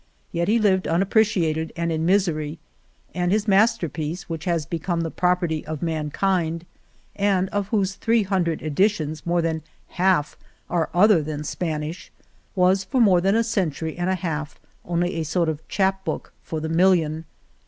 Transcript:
Yet he lived unappreciated and in misery. And his masterpiece, which has become the property of mankind, and of whose three hun dred editions more than half are other than Spanish, was for more than a century and a half only a sort of chap book for the million.